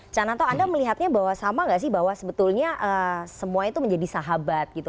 cananto anda melihatnya bahwa sama nggak sih bahwa sebetulnya semua itu menjadi sahabat gitu